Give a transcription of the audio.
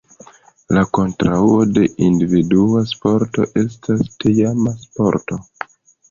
La kontraŭo de individua sporto estas teama sporto.